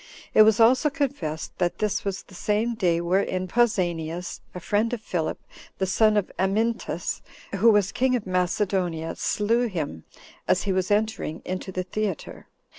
It was also confessed that this was the same day wherein Pausanias, a friend of Philip, the son of Amyntas, who was king of Macedonia, slew him, as he was entering into the theater.